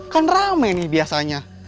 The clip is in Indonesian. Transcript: kan rame nih biasanya